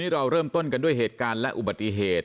เราเริ่มต้นกันด้วยเหตุการณ์และอุบัติเหตุ